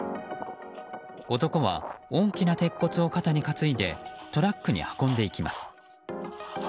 男は大きな鉄骨を肩に担いでトラックに運んでいきます。